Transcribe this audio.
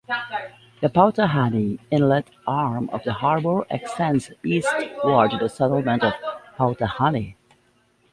The Pauatahanui Inlet arm of the harbour extends eastward to the settlement of Pauatahanui.